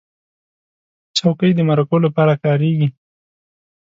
چوکۍ د مرکو لپاره کارېږي.